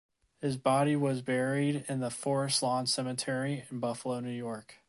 His body was buried in the Forest Lawn Cemetery in Buffalo, New York.